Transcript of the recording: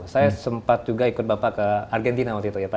saya sempat juga ikut bapak ke argentina waktu itu ya pak